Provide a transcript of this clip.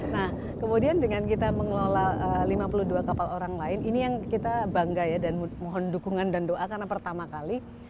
nah kemudian dengan kita mengelola lima puluh dua kapal orang lain ini yang kita bangga ya dan mohon dukungan dan doa karena pertama kali